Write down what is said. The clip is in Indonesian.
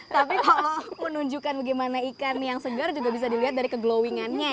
tapi kalau menunjukkan bagaimana ikan yang segar juga bisa dilihat dari ke glowing annya ya